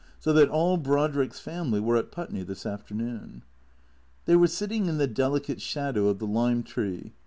So that all Brodrick's family were at Put ney this afternoon. They were sitting in the delicate shadow of the lime tree.